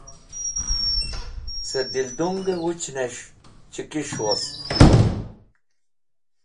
Ce Dildunge wuchnes̃h Chikis̃h wost.